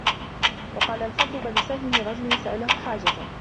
وَقَالَ الْفَضْلُ بْنُ سَهْلٍ لِرَجُلٍ سَأَلَهُ حَاجَةً